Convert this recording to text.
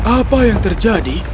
apa yang terjadi